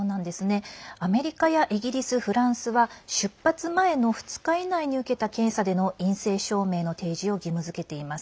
アメリカやイギリス、フランスは出発前の２日以内に受けた検査での陰性証明の提示を義務づけています。